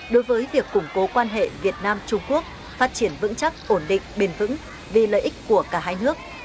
đối với việc củng cố quan hệ việt nam trung quốc phát triển vững chắc ổn định bền vững vì lợi ích của cả hai nước